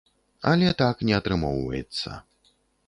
Але так не атрымоўваецца.